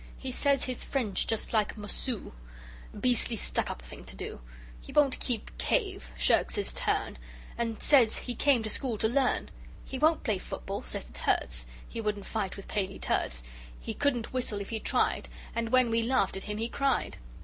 He says his French just like Mossoo A beastly stuck up thing to do He won't keep cave, shirks his turn And says he came to school to learn! He won't play football, says it hurts; He wouldn't fight with Paley Terts; He couldn't whistle if he tried, And when we laughed at him he cried!